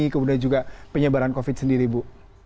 kemudian juga penyebaran covid sendiri bu